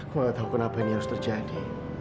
aku gak tau kenapa ini harus terjadi